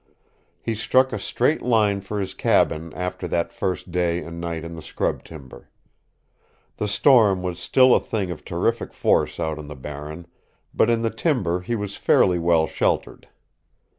He struck a straight line for his cabin after that first day and night in the scrub timber. The storm was still a thing of terrific force out on the barren, but in the timber he was fairly well sheltered.